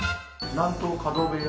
南東角部屋！